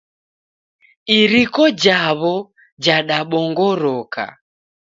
Iriko jawo jadabongoroka